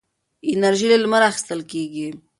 انرژي له لمره اخېستل کېږي.